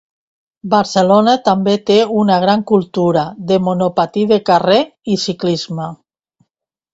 Barcelona també té una gran cultura de monopatí de carrer i ciclisme.